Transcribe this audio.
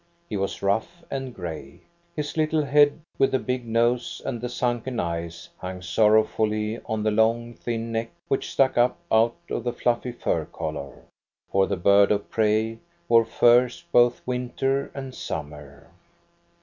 He was rough and gray. His little head with the big nose and the sunken eyes hung sorrowfully on the long, thin neck which stuck up out of a fluffy fur collar. For the bird of prey wore furs both winter and summer.